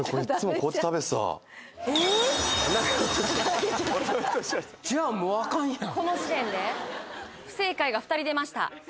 もうあかんやんこの時点で不正解が２人出ました